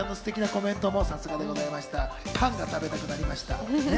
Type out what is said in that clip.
パンが食べたくなりました。